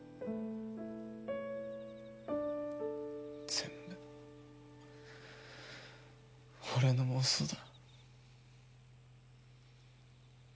全部俺の妄想だ。